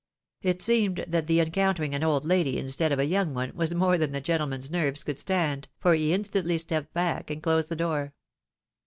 It seemed that the encountering an old lady instead of a young one was more than the gentleman's nerves could stand, for he instantly stepped back and closed the door.